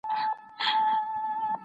د مځکي واکمني يوازي د انسان حق دی.